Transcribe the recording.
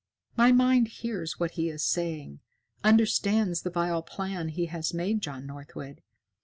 "My mind hears what he is saying, understands the vile plan he has made, John Northwood.